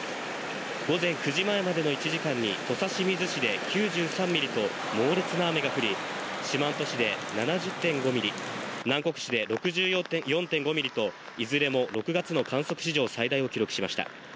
午前９時前までの１時間に土佐清水市で９３ミリと猛烈な雨が降り、四万十市で７０．５ミリ、南国市で６４．５ミリと、いずれも６月の観測史上最大を記録しました。